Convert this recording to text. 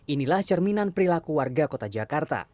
inilah cerminan perilaku warga kota jakarta